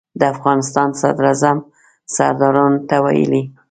د افغانستان صدراعظم سردارانو ته ویلي.